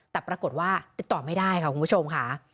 แต่ปรากฏว่าติดต่อไม่ได้ค่ะคุณผู้ชมค่ะ